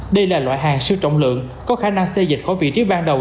đây là loại hàng siêu trọng lượng có khả năng xây dịch khỏi vị trí ban đầu